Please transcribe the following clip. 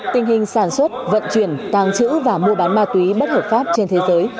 tình hình sản xuất vận chuyển tàng trữ và mua bán ma túy bất hợp pháp trên thế giới